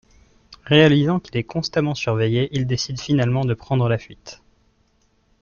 Réalisant qu'il est constamment surveillé, il décide finalement de prendre la fuite.